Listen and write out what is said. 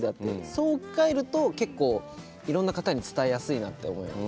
そう置き換えると結構いろんな方に伝えやすいなと思います。